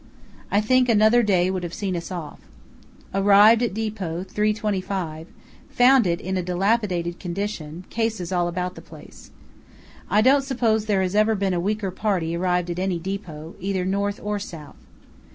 I think another day would have seen us off. Arrived at depot 3.25; found it in a dilapidated condition, cases all about the place. I don't suppose there has ever been a weaker party arrive at any depot, either north or south.